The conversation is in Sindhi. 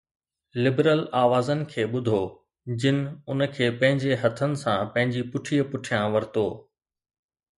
لبرل آوازن کي ٻڌو، جن ان کي پنهنجي هٿن سان پنهنجي پٺيءَ پٺيان ورتو